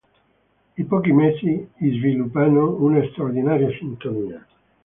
In pochi mesi sviluppano una straordinaria sintonia.